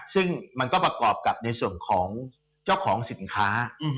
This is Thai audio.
ซึ่งมันก็ประกอบกับในส่วนของเจ้าของสินค้า